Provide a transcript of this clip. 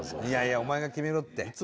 いやいやお前が決めろって。